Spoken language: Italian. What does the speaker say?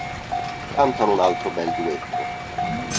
Cantano un altro bel duetto.